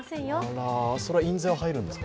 あらそれは印税は入るんですか？